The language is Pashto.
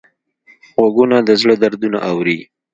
غوږونه د زړه دردونه اوري